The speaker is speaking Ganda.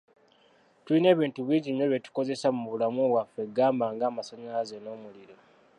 Tulina ebintu bingi nnyo bye tukozesa mu bulamu bwaffe gamba nga; masannyalaze n’omuliro.